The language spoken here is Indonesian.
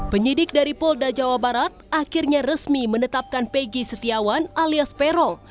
penyidik dari polda jawa barat akhirnya resmi menetapkan peggy setiawan alias peron